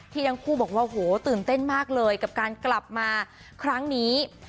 ทั้งคู่บอกว่าโหตื่นเต้นมากเลยกับการกลับมาครั้งนี้